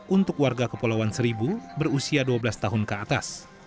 untuk warga kepulauan seribu berusia dua belas tahun ke atas